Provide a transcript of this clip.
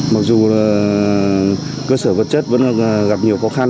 mặc dù là cơ sở vật chất vẫn gặp nhiều khó khăn